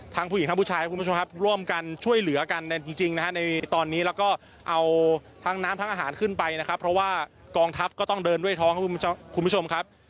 ผู้หญิงทั้งผู้ชายครับคุณผู้ชมครับร่วมกันช่วยเหลือกันจริงนะฮะในตอนนี้แล้วก็เอาทั้งน้ำทั้งอาหารขึ้นไปนะครับเพราะว่ากองทัพก็ต้องเดินด้วยท้องครับคุณผู้ชมครับ